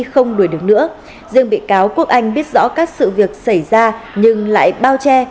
không đuổi được nữa riêng bị cáo quốc anh biết rõ các sự việc xảy ra nhưng lại bao che